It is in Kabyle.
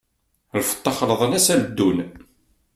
Lfeṭṭa xelḍen-as aldun!